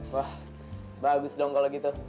wah bagus dong kalau gitu